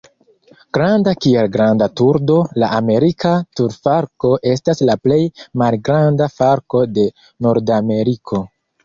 Granda kiel granda turdo, la Amerika turfalko estas la plej malgranda falko de Nordameriko.